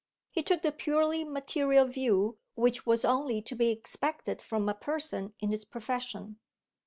He took the purely material view which was only to be expected from a person in his profession.